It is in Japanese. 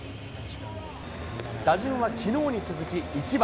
打順はきのうに続き１番。